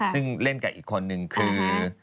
ซึ่งเล่นกับอีกคนนึงคือ